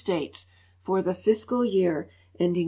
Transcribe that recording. States for tin; fiscal yearending